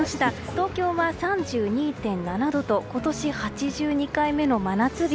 東京は３２．７度と今年８２回目の真夏日